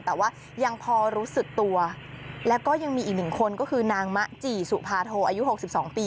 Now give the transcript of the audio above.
แต่ว่ายังพอรู้สึกตัวแล้วก็ยังมีอีกหนึ่งคนก็คือนางมะจีสุภาโทอายุ๖๒ปี